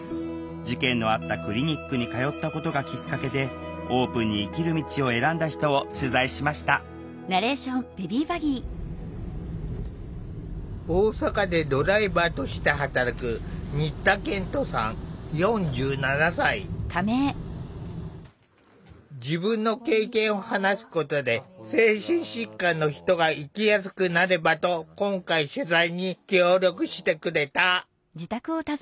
事件のあったクリニックに通ったことがきっかけでオープンに生きる道を選んだ人を取材しました大阪でドライバーとして働く自分の経験を話すことで精神疾患の人が生きやすくなればと今回取材に協力してくれた。